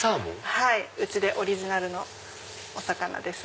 はいうちでオリジナルのお魚です。